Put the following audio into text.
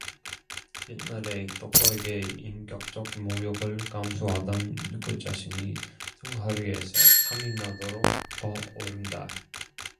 옛날에 덕호에게 인격적 모욕을 감수하던 그 자신이 등허리에서 땀이 나도록 떠오른다.